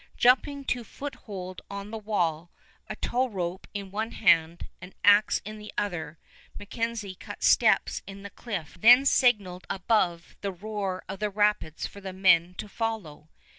Jumping to foothold on the wall, a towrope in one hand, an ax in the other, MacKenzie cut steps in the cliff, then signaled above the roar of the rapids for the men to follow.